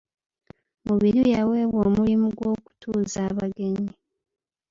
Mubiru yaweebwa omulimu gw'okutuuza abagenyi.